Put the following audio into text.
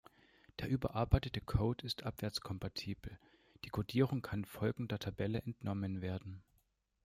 Der überarbeitete Code ist abwärtskompatibel, die Codierung kann folgender Tabelle entnommen werden.